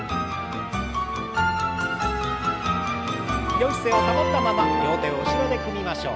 よい姿勢を保ったまま両手を後ろで組みましょう。